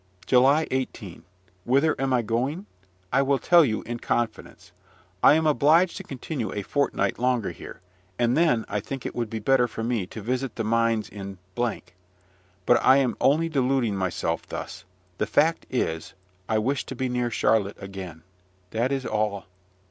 JULY 18. Whither am I going? I will tell you in confidence. I am obliged to continue a fortnight longer here, and then I think it would be better for me to visit the mines in . But I am only deluding myself thus. The fact is, I wish to be near Charlotte again, that is all.